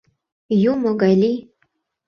Юмо гай лий.